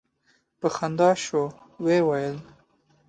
په خندا شو ویل یې.